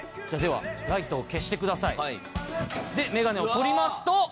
ではライトを消してください。でメガネを取りますと。